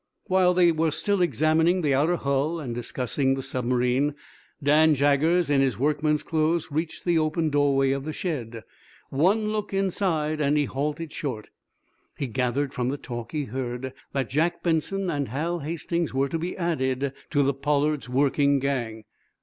While they were still examining the outer hull, and discussing the submarine, Dan Jaggers, in his workman's clothes, reached the open doorway of the shed. One look inside, and he halted short. He gathered from the talk he heard that Jack Benson and Hal Hastings were to be added to the "Pollard's" working gang.